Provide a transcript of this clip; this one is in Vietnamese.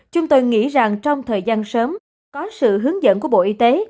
chúng tôi nghĩ rằng trong thời gian sớm có sự hướng dẫn của bộ y tế